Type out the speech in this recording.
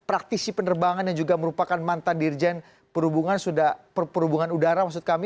praktisi penerbangan yang juga merupakan mantan dirjen perhubungan udara